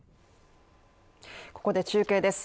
ここで中継です。